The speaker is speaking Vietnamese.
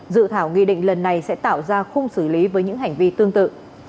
dự thảo nghị định lần này sẽ tạo ra khung xử lý với những hành vi tương tự